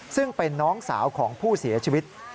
ซึ่งเป็นน้องสาวของผู้เสียชีวิต